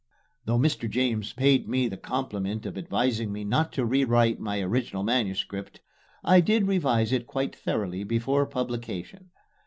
Though Mr. James paid me the compliment of advising me not to rewrite my original manuscript, I did revise it quite thoroughly before publication.